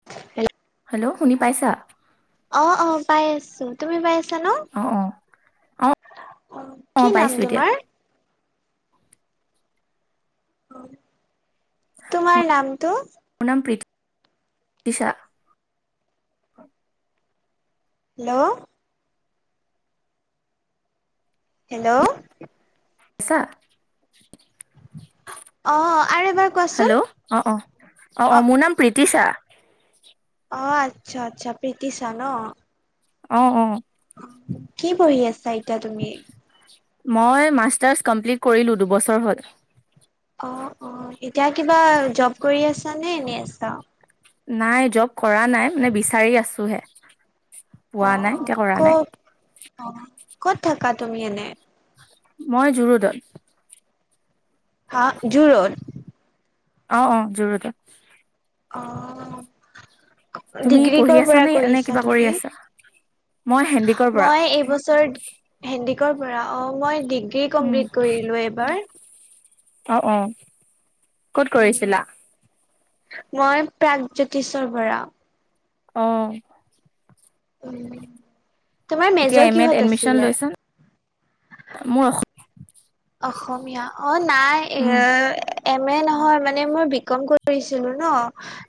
[inaudible] Hello শুনি পাইছা? অ', অ', পাই আছো তুমি পাই আছা ন। অ'। কি নাম পাইছোঁ এতিয়া তোমাৰ? তোমাৰ নামটো? মোৰ নাম [unintelligible] হেল্ল'। হেল্ল'। [inaudible] অ', আৰু এবাৰ কোৱাচোন। অ', অ', অ', অ', মোৰ নাম প্ৰীতিশা। অ', আচ্ছা আচ্ছা প্ৰীতিচা ন। অ', অ'। কি বঢহি আছা এতিয়া তুমি? মই মাষ্টাৰ কমপ্লিট কৰিলো দুবছৰ হ'ল। অ', অ', এতিয়া কিবা জব কৰি আছা নে এনেই আছা। নাই জব কৰা নাই মানে বিচাৰি আছো হে। পোৱা নাই অ', অ', এতিয়া কৰা নাই। ক'ত অ', ক'ত থাকা তুমি এনে মই জুৰোডত। হা জুুৰোড? অ', অ', জুৰোড। অ', তুমি ডিগ্ৰী পঢ়ি কৰ পৰা আছানে নে নে কৰিছা কিবা কৰি তুমি? আছা মই হেণ্ডিকৰ পৰা মই এই বছৰত হেণ্ডিক পৰা অ' মই ডিগ্ৰী কমপ্লিট কৰিলো এইবাৰ। অ', অ'। মই প্ৰাগজ্যোতিষৰ পৰা। অ'। অ', তোমাৰ এতিয়া মেজৰ এম এত কিহত এডমিশ্যন আছিলে? লৈছা মোৰ অসমীয়া অ' নাই এ অসম এম এ নহয় মানে মই বি কম কৰিছিলো ন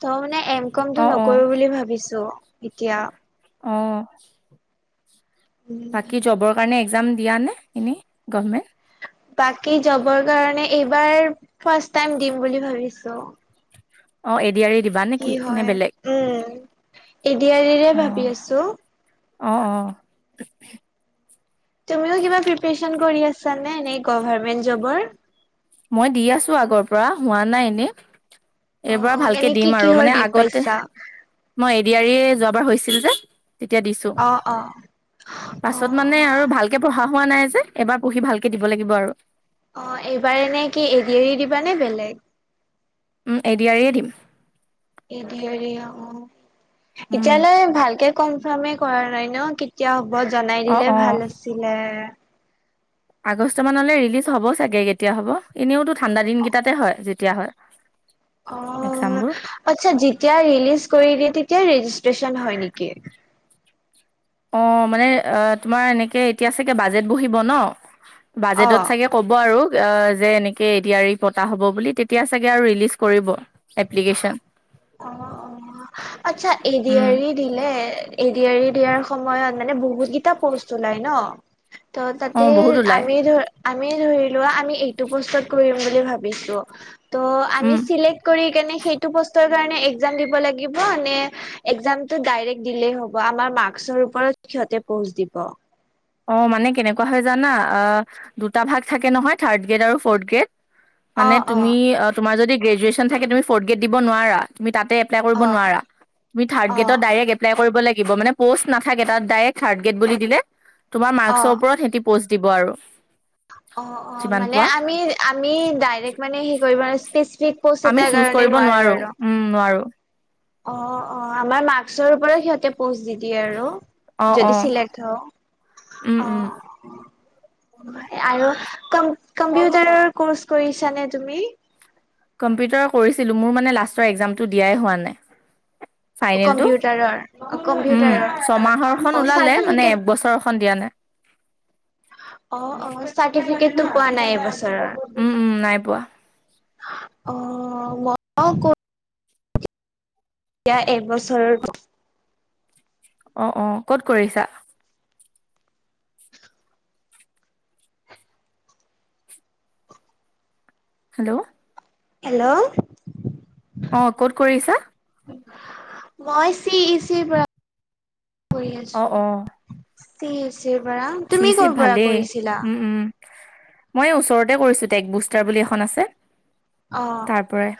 ত মানে এম কমটো অঁ অঁ নকৰো বুলি ভাবিছো এতিয়া অ বাকী জবৰ কাৰণে এক্সাম দিয়া নে এনেই গভমেণ্ট বাকী জবৰ কাৰণে এইবাৰ ফাৰ টাইম দিম বুলি ভাবিছো অ এদিয়াৰে দিব কি হয় উম এডয়াদিৰে অ ভাবি আছো অ অ ত তুমিও কিবা প্ৰিপৰেচন কৰি আছানে এনে গভাৰমেন্ট জবৰ মই দি আছো আগৰ পৰা হোৱা নাই এনে অ এইব অ ভালকে এনে কি দিম আৰু কিহৰ দি মানে আগতে পাইছা? মই এডিয়াৰীয়ে যোৱাবাৰ হৈছিল যে তেতিয়া দিছো অ অ অ পাছত মানে অ আৰু ভাল ত একে পঢ়া হোৱা নাই যে এবাৰ পঢ়ি ভালকে দিব লাগিব আৰু অ এইবাৰ নে কি এৰি এৰি দিবাানে বেলেগ এডিয়াৰয়ে দিম এ ধৰি অ উম এতিয়ালৈ ভালকে কনফাৰ্মে কৰা নাই ন এতিয়া হ'ব জনাই অ দিলে অ ভাল আছিলে আগষ্ট মানলৈ ৰিলিজ হ'ব চাগে কেতিয়া হ'ব এনেওতো ঠাণ্ডা দিনকেইটাতে হয় যেতিয়া হয় [inaudible] অ এক্জামবোৰ আচ্ছা যেতিয়া ৰিলিজ কৰি দিয়ে তেতিয়া ৰেজিষ্ট্ৰচন হয় নেকি অ মানে তোমাৰ এনেকে এতিয়া চাগে বাজেট বহিব ন বাজেটত অ চাগে ক'ব আৰু যে এনেকে এতিয়া পতা হ'ব বুলি তেতিয়া চাগে আৰু ৰিলিজ কৰিব এপ্লিকেশ্যন অ অ আচ্ছা এদ উম হৰি দিলে এৰি এৰি দিয়াৰ সময়ত মানে বহুতকেইটা পোষ্ট ওলাই ন ত অ তাতে বহুত ওলাই আমি ধৰ আমি ধৰি লোৱা আমি এইটো পোষ্টত কৰিম বুলি ভাবিছো ত' আমি উম চিলেক্ট কৰি কাৰণে সেইটো প'ষ্টৰ কাৰণে এক্জাম দিব লাগিব নে এক্জামটো ডাইৰেক্ট দিলেই হব আমাৰ ম্কৰ ওপৰত সিহ প দিব অ মানে কেনেকুৱা হৈ জানা দুটা ভাগ থাকে নহয় থাৰ্ড গ্ৰেড আৰু ফ'ৰ্থ গ্ৰেড মানে তুমি অ তোমাৰ য গ্ৰেজুৱেচন থাকে তুমি ফৰ্থ গ্ৰেড দিব নোৱাৰা তুমি তাতে এ অ কৰিব নোৱাৰা তুমি থাৰ অ গেত ডৰে এপ্লাই কৰিব লাগিব মানে পষ্ট নাথাকে তাত ডাইৰেক্ট থাৰ্ড গ্ৰেড বুলি দিলে তোমাৰ অ মাৰ্কৰ ওপৰত সি পষ্ট দিব আৰু অ অ যিমান মানে পোৱা আমি আমি ডাইৰেক্ট মানে হে কৰিব স্পেচফ প'চ আমি এটাৰ চুজ কাৰণে কৰিব নোৱাৰো আৰু উম নোৱাৰো অ অ আমাৰ মাক্সৰ ওপৰত সিহঁতে পচ দি দি আৰু অ অ যদি চিলেক্ট হওঁ উম উম আহ আৰু ক কম্পিউটাৰৰ কৰ্চ কৰিছানে তুমি কম্পিউটাৰ কৰিছিলো মোৰ মানে লাষ্টৰ এক্জামটো দিয়াই হোৱা নাই ফাইনেলটো কম্পিউটাৰৰ, উম কম্পিউটাৰৰ, ছমাহৰখন অ', ওলালে মানে চাৰ্টিফিকেট একবছৰখন দিয়া নে অ অ চাৰ্টিফিকেট টো পোৱা নাই ব উম উম নাই পোৱা অ মই ক এতিয়া এবছৰৰ অ অ ক'ত কৰিছা হেল্ল' হেল্ল' অ ক'ত কৰিছা মই চি ই চিৰ পৰা কৰি অ আছো অ আছ পৰা চি ই তুমি চিত কৰ' পৰা ভালেই কৰিছিলা উম উম মই ওচৰতে কৰিছোঁ টেক বুষ্টাৰ বুলি এখন আছে অ তাৰ পৰাই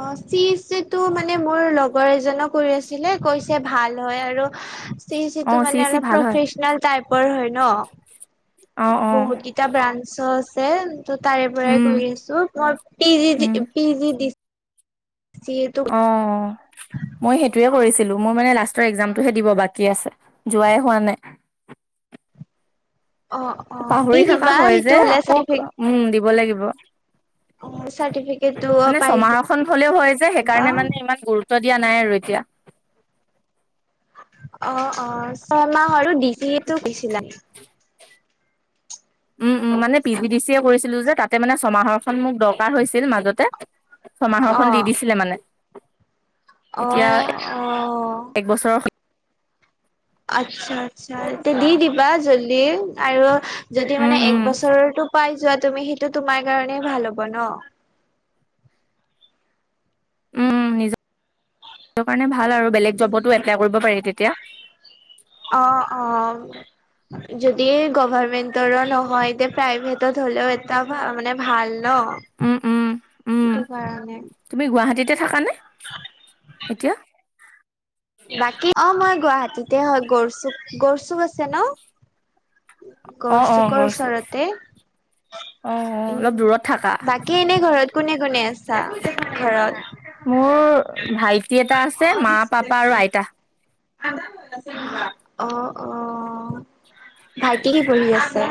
অ চি যটো মানে মোৰ লগৰ এজনক কৰি আছে ে কৈছে ভাল হয় আৰু চি অ চিটো চি মানে ই চি অলপ ভাল হয় প্ৰফেচনেল টাইপৰ হয় ন অ অ বহুত কেইটা ব্ৰাঞ্চ আছে ত তাৰে পৰাই উম কৈ আছো মই পি জি উম পি জি দিছ যিহ অ মই সেইটোয়ে অ কৰিছিলো মই মানে লা ত একজামতটোহে দিব বাকী আছে যোৱাই হোৱা নাই অ অ পাহৰি দি থকা দিবা হয় যে সেইটো হলে আকৌ চাৰ্টিফিক উম দিব লাগিব চাৰ্টিফিকেটটো মানে পাই ছমাহৰখন হলেও হয় যে যাবা সেইকাৰণে মানে ইমান গুৰুত্ব গুৰুত্ব দিয়া নাই আৰু এতিয়া অ অ ছয়মাহ আৰু ডিজি টো বেচি লাগে উম উম মানে পি ভ ডি চি কৰিছিলো যে তাতে মানে ছমাহৰখন মোক দৰকাৰ হৈছিল মাজতে ছমাহৰখন অ দি দিছিলে মানে অ এতিয়া অ এক বছৰৰ আচ্ছা আচ্ছা এতিয়া দি দিবা জল্দি আৰু যদি মানে উম এক উম বছৰটো পাই যোৱা তুমি সেইটো তোমাৰ কাৰণেই ভাল হ'ব ন উম নিজৰ কাৰণে ভাল আৰু বেলেগ জবতো এপ্লাই কৰিব পাৰি তেতিয়া অ অ যদি গভমেন্টৰো নহয় এতিয়া প্ৰাইভেটত হ'লেও এটা মানে ভাল ন উম উম উম সেইটো কাৰণে তুমি গুৱাহাটীতে থাকানে এতিয়া বাকী অ মই গুৱাহাটীতে হয় গড়চু গড়চুক আছে ন অ অ গড়চুকৰ গড়চুক ওচৰতে অ অ উম অলপ দূৰত থাকা বাকী এনে ঘৰত কোনে কোনে আছে মোৰ ভাইটি এটা আছে মা পাপা আৰু আইতা অ অ ভাইটি সি পঢ়ি আছে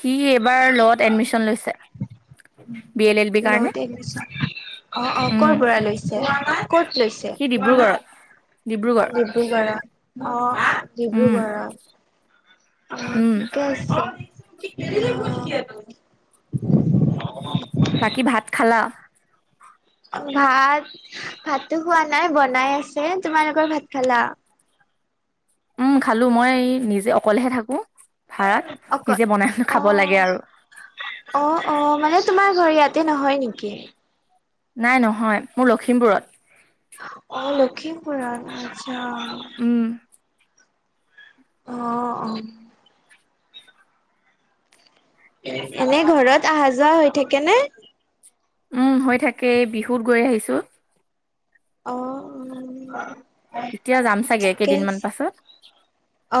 সি এইবাৰ ল'ত এডমিচন লৈছে বি এল এল বিৰ কাৰণে ল'ত এডমিচন অ অ উম ক'ৰ পৰা লৈছে ক'ত লৈছে সি ডিব্ৰুগড়ত ডিব্ৰুগড় ডিব্ৰুগড় অ উম ডিব্ৰুগড় উম ঠিকে আছে বাকী ভাত খালা ভাত ভাতো খোৱা নাই বনাই আছে তোমালোকৰ ভাত খালা উম খালো মই নিজে অকলেহে থাকোঁ ভাড়াত অক নিজে বনাই অ খাব লাগে আৰু অ অ মানে তোমাৰ ঘৰ ইয়াতে নহয় নেকি নাই নহয় মোৰ লখিমপুৰত অ লখিমপুৰত আচ্ছা উম অ অ [inaudible] এনেই ঘৰত অহা যোৱা হৈ থাকে নে হৈ থাকে বিহুত গৈ আহিছোঁ অ অ এতিয়া যাম চাগে ঠিকে কেইদিনমান আছে পাছত অ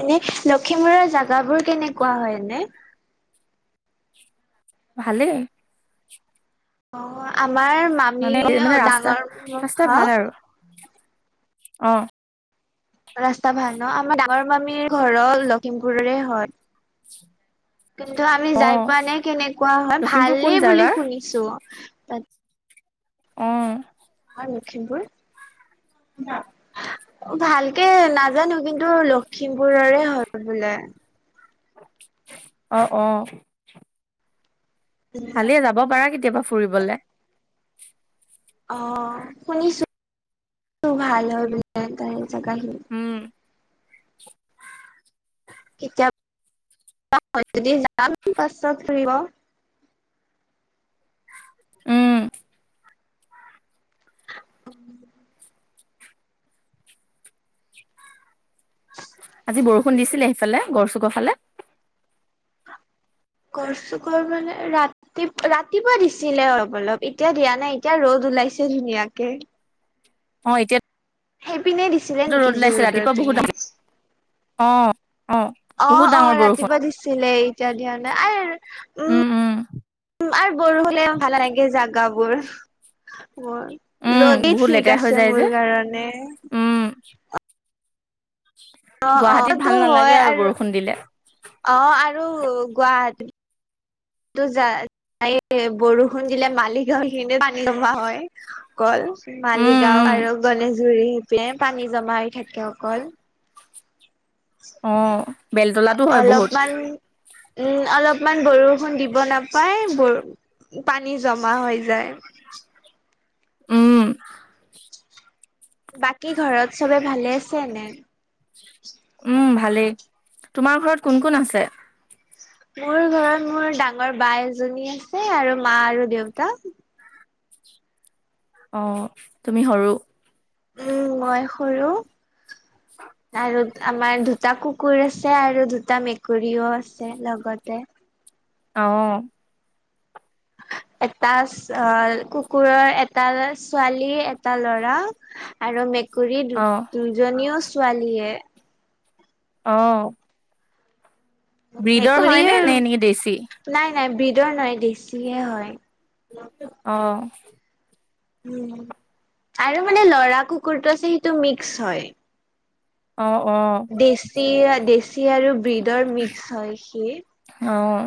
এনে লখিমপুৰৰ জেগাবোৰ কেনেকুৱা হয় এনে ভালেই। অ', আমাৰ মামি মানে মানে ৰাস্তা ডাঙৰ ম ৰাস্তা হা? ভাল আৰু অ'। ৰাস্তা ভাল ন আমাৰ ডাঙৰ মামীৰ ঘৰৰ লখিমপুৰৰে হয়। কিন্তু আমি অ যাই পোৱা নাই কেনেকুৱা হয় লখিমপুৰ কোন ভালেই বুলি জাগাৰ শুনিছোঁ। উম। আমাৰ লখিমপুৰ [unintelligible] ভালকে নাজানো কিন্তু লখিমপুৰৰে হয় বোলে। অ', অ'। ভালে যাব পাৰা কেতিয়াবা ফুৰিবলৈ। অ', শুনিছোঁ ভাল হয় বুলি জেগাখিনি। উম। কেতিয়াবা হয় যদি যাম পাছত ফুৰিব। উম। উম। আজি বৰষুণ দিছিলে সেইফালে গড় চুগৰ ফালে? গড় চুগৰ ফালে ৰাত ৰাতিপুৱা দিছিলে অলপ অলপ, এতিয়া দিয়া নাই এতিয়া ৰ'দ ওলাইছে ধুনীয়াকে। অহ, এতিয়া সেইপিনে দিছিলে নেকি জু-ৰদৰ পিনে? অহ, অ'। অ', বহুত অ', ডাঙৰ বৰষুণ ৰাতিপুৱা দিছিলে, এতিয়া দিয়া নাই, আ উম। আৰু [unintelligible] হলে ভাল লাগে জাগাবোৰ। মোৰ উম, ৰদেই বহুত ঠিক লেতেৰা হৈ আছে যায় মোৰ যে কাৰণে। উম। অ', অ', গুৱাহাটীত [unintelligible] টো ভাল নালাগে হয় আৰু বৰষুণ দিলে অ', আৰু গুৱাহাটী বৰষুণ দিলে মালিগাঁও সেই খিনিত পানী জমা হয়। অকল উম, মালিগাঁও উম, আৰু গনেেশগুৰি শিপিনে পানী জমা হৈ থাকে অকল। অ', বেলতলাতো হয় বহুত অলপমান উম, অলপমান বৰষুণ দিব নাপাই ব পানী জমা হৈ যায়। উম। বাকী ঘৰত চবেই ভালে আছে নে? উম, ভালেই তোমাৰ ঘৰত কোন কোন আছে? মোৰ ঘৰত মোৰ ডাঙৰ বা এজনী আছে আৰু মা আৰু দেউতা। অ', তুমি সৰু? উম, মই সৰু আৰু আমাৰ দুটা কুকুৰ আছে আৰু দুটা মেকুৰীও আছে লগতে। অহ। এটা কুকুৰৰ এটা ছোৱালী এটা ল'ৰা। আৰু মেকুৰী দু অ', দুজনীও ছোৱালীয়েই। অহ। ব্ৰীডৰ হয় নে মেকুৰীৰ নে এনে দেচি? নাই নাই ব্ৰিদৰ না দেচিয়েই হয়। অ'। উম, আৰু মানে লৰা কুকুৰটো আছে সেইটো মিক্স হয়। অ', অ'। দেচি দেচি আৰু ব্ৰীডৰ মিক্স হয় সি। অ',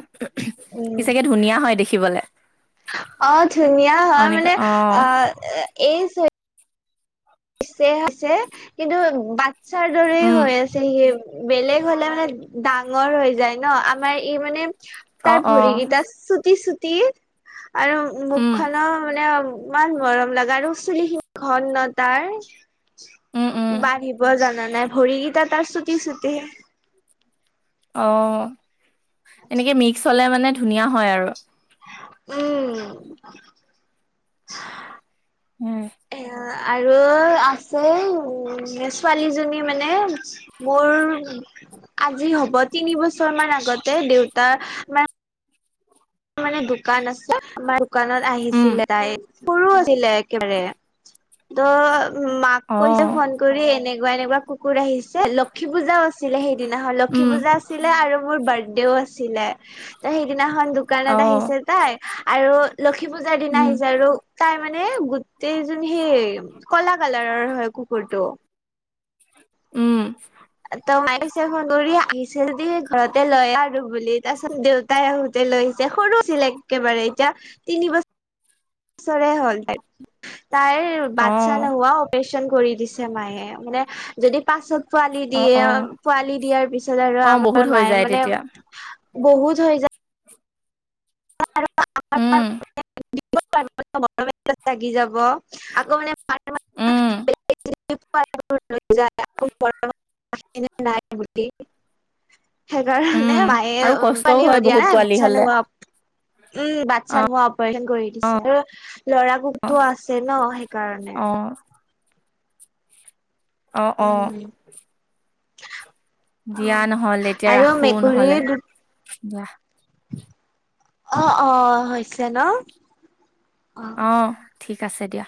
উম সি চাগে ধুনীয়া হয় দেখিবলে। অ', ধুনীয়া অ', হয় এনেকে মানে অ এই চে আছে কিন্তু বাচ্ছাৰ দৰে উম, হৈ আছে সি, বেলেগ হলে মানে ডাঙৰ হৈ যায় ন, আমাৰ ই মানে অ', তাৰ অ', ভৰিকেইটা চুটি চুটি। আৰু উম, মুখ খনৰ মানে ইমান মৰম লগা আৰু চুলিখিনি ঘন তাৰ উম, উম, বান্ধিব জানা নাই, ভৰিকেইটা তাৰ চুটি চুটি। অ', এনেকে মিক্স হলে মানে ধুনীয়া হয় আৰু। উম। উম। এ আৰু আছে উম ছোৱালীজনী মানে মোৰ আজি হ'ব তিনি বছৰ মান আগতে দেউতাৰ মা মানে দোকান আছে, আমাৰ দোকানত উম, আহিছিলে তাই সৰু আছিলে একেবাৰে। ত' মাক কৈছে অ', ফোন কৰি এনেকুৱা এনেকুৱা কুকুৰ আহিছে। লক্ষী পূজাও আছিলে সেইদিনাখন, লক্ষী উম, পূজা আছিলে আৰু মোৰ বাৰ্থডেও আছিলে। ত' সেইদিনাখন দোকানত অ', আহিছে তাই আৰু লক্ষী পূজাৰ দিনা উম, আহিছে আৰু তাই মানে গোটেই যোন সেই কলা কালাৰৰ হয় কুকুৰটো। উম। ত মাই পিছে ফোন কৰি আহিছিল দে ঘৰতে লয় আৰু বুলি তাৰপিছত দেউতাই লৈ আহিছে সৰু আছিলে একেবাৰে এতিয়া, তিন বছৰ চৰে হ'ল, তাই তাইৰ বাচ্ছা অ', নোহোৱাও কৰি দি মায়ে মানে য পত পোৱালি অ', দিয়ে, অ', পোৱালি দিয়াৰ পিছত আৰু অ', বহুত আমাৰ হৈ মায়ে যায় মানে তেতিয়া। বহুত হৈ যায়। উম, [unintelligible] লাগি যাব আকৌ মানে [inaudible] উম, [unintelligible] সেইকাৰণে উম, মায়ে আৰু কষ্টও পালি হয় হৈ বহুত পোৱালি দিয়া হ'লে। নোহোৱা উম বাচ্ছা অ', মোৱা অপাৰচন কৰি দিছে আৰু ল'ৰা কোকটো আছে ন সেইকাৰণে। অ', অ', অ', উম। অ দিয়া নহলে এতিয়া আৰু ৰাখো নহলে, মেকুৰীৰ দু দিয়া। অ' অ' হৈছে ন অ'। অ' ঠিক আছে দিয়া।